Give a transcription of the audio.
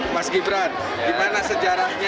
mas gibran gimana sejarahnya